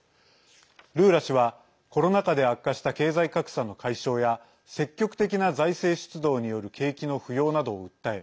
ルーラ氏はコロナ禍で悪化した経済格差の解消や積極的な財政出動による景気の浮揚などを訴え